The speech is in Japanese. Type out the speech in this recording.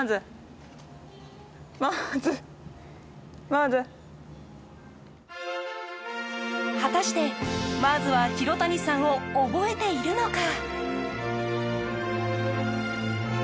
マーズ果たしてマーズは廣谷さんを覚えているのか？